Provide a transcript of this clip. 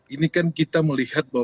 ini kan kita melihat bahwa